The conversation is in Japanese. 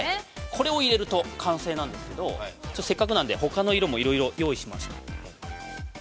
◆これを入れると完成なんですけど、せっかくなのでほかの色もいろいろ用意しました。